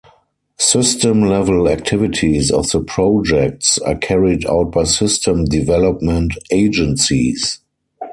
System level activities of the projects are carried out by system development agencies.